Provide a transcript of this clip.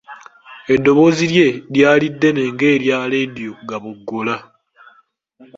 Eddoboozi lye lyali ddene ng’erya leediyo gaboggola.